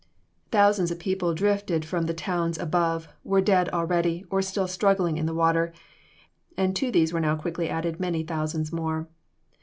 Thousands of people, drifted from the towns above, were dead already, or still struggling in the water; and to these were now quickly added many thousands more.